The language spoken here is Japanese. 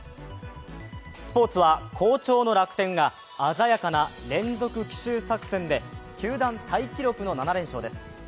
スポーツは好調の楽天が鮮やかな連続奇襲作戦で球団タイ記録の７連勝です。